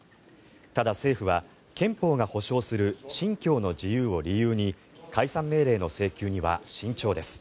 ただ、政府は憲法が保障する信教の自由を理由に解散命令の請求には慎重です。